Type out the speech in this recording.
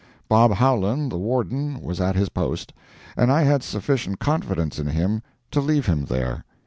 Bob Howland, the Warden, was at his post, and I had sufficient confidence in him to leave him there.